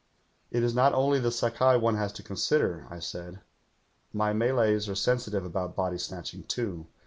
'"It is not only the Sakai one has to consider,' I said. 'My Malays are sensitive about body snatch ing, too.